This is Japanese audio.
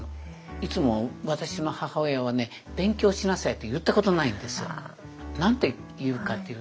いつも私の母親はね「勉強しなさい」と言ったことないんですよ。